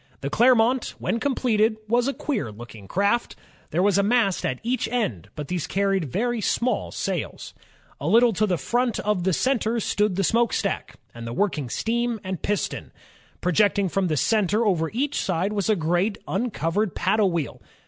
The Clermont, when completed, was a queer looking craft. There was a mast at each end, but these carried very small sails. A little to the front of the center stood the smokestack and the working beam and piston. Pro jecting from the center over each side was a great imcov ered paddle wheel.